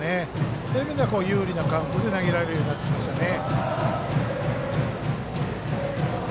そういう意味では有利なカウントで投げられるようになってきましたね。